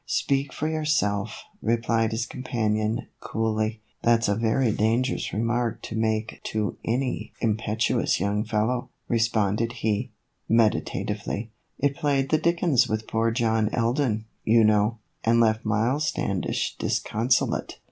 "Speak for yourself," replied his companion, coolly. " That 's a very dangerous remark to make to any I3O THE EVOLUTION OF A BONNET. impetuous young fellow," responded he, medita tively; "it played the dickens with poor John Alden, you know, and left Miles Standish disconso late."